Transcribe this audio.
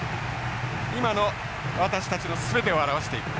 今の私たちの全てを表している。